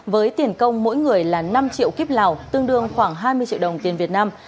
với tiền công mỗi người là năm triệu kiếp lào tương đương khoảng hai mươi triệu đồng tiền việt nam